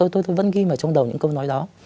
tôi vẫn ghi vào trong đầu những câu nói đó